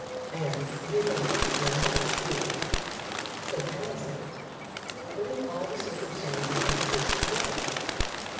"And he has got your money too!" said Palliser, putting all the circumstances of the case together.